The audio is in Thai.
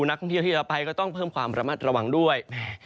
นักท่องเที่ยวที่จะไปก็ต้องเพิ่มความระมัดระวังด้วย